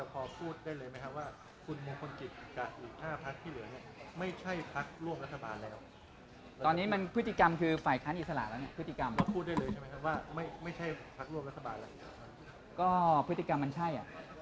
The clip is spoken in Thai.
ก็พฤติกรรมมันใช่